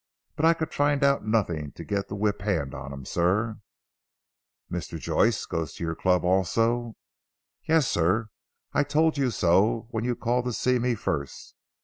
But I could find out nothing to get the whip hand of him, sir." "Mr. Joyce goes to your club also?" "Yes sir. I told you so when you called to see me first.